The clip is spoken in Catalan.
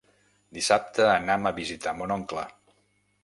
Dissabte anam a visitar mon oncle.